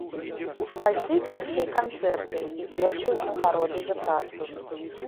Пайшлі першыя канцэрты і першыя ўзнагароды за працу.